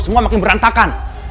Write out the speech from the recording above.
semua makin berantakan